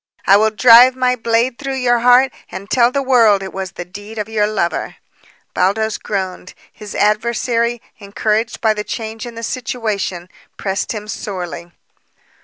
"I will drive my blade through your heart and tell the world it was the deed of your lover." Baldos groaned. His adversary, encouraged by the change in the situation, pressed him sorely.